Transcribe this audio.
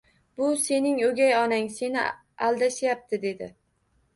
Bu sening o'gay onang, seni aldashyapti, — dedi